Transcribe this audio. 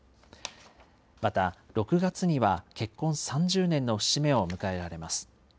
また、６月には結婚３０年の節目を迎えられます。